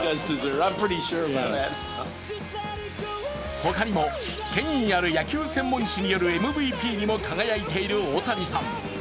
他にも、権威ある野球専門誌によるＭＶＰにも輝いている大谷さん。